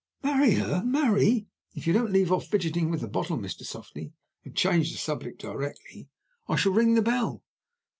"Marry her! marry If you don't leave off fidgeting with the bottle, Mr. Softly, and change the subject directly, I shall ring the bell."